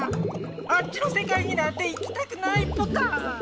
あっちの世界になんて行きたくないポタ。